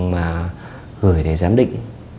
mà gửi để giám định